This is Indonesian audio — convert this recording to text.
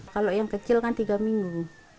kalau yang kecil kan tiga minggu